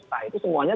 nah itu semuanya